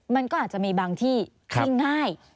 มันก็อาจจะมีบางที่ที่ง่าย